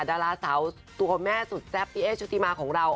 ดาราสาวตัวแม่สุดแซ่บพี่เอ๊ชุติมาของเรา